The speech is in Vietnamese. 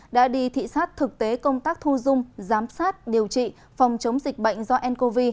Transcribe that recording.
đã đi thị xác thực tế công tác thu dung giám sát điều trị phòng chống dịch bệnh do ncov